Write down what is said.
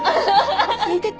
聞いてた？